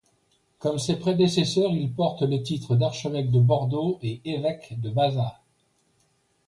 Comme ses prédécesseurs, il porte le titre d'archevêque de Bordeaux et évêque de Bazas.